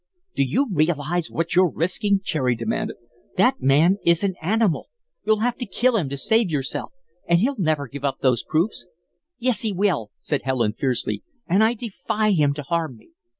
"Do you realize what you're risking?" Cherry demanded. "That man is an animal. You'll have to kill him to save yourself, and he'll never give up those proofs." "Yes, he will," said Helen, fiercely, "and I defy him to harm me.